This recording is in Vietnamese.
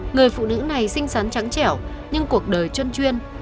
người phụ nữ này sinh sán trắng trẻo nhưng cuộc đời chân chuyên